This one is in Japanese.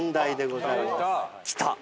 きた。